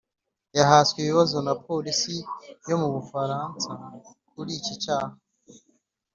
yahaswe ibibazo na polisi yo mu Bufaransa kuri iki cyaha